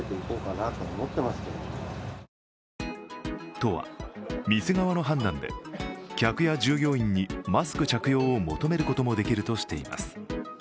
都は店側の判断で客や従業員にマスク着用を求めることもできるとしています。